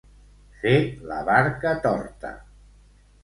Fer la barca torta.